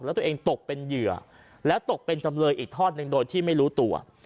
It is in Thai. แล้วตัวเองตกเป็นเหยื่อแล้วตกเป็นจำเลยอีกทอดหนึ่งโดยที่ไม่รู้ตัว